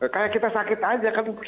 kayak kita sakit aja kan